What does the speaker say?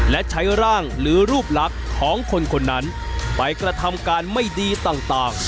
และใช้ร่างหรือรูปลักษณ์ของคนคนนั้นไปกระทำการไม่ดีต่าง